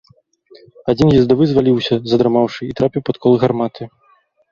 Адзін ездавы зваліўся, задрамаўшы, і трапіў пад колы гарматы.